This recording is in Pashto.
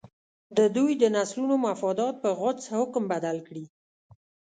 د دوی د نسلونو مفادات په غوڅ حکم بدل کړي.